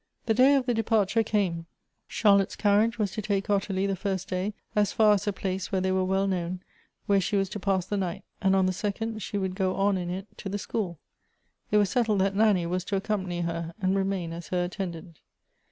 The day of the depart ure came; Charlotte's carriage was to take Ottilie the lirst day as far as a place where they were well known, where she was to pass the night, and on the second she would go on in it to the school. It was settled that Nanny was to accompany her, and remain as her attendant.